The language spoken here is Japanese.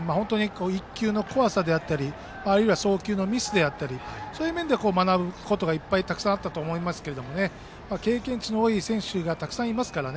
１球の怖さであったり送球のミスであったりそういう面で学ぶことがたくさんあったと思いますが経験値の多い選手がたくさんいますから。